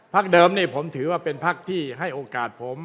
ภักด์เดิมผมถือว่าเป็นภักด์ที่ให้โอกาสผม